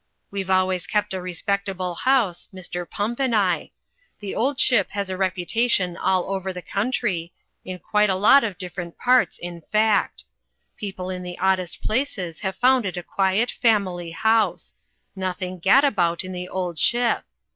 "We've always kept a respectable house, Mr. Pump and I. 'The Old Ship' has a reputation all over the coimtry — in quite a lot of different parts, in fact. People in the oddest places have found it a quiet, family house. Nothing gadabout in 'The Old Ship.'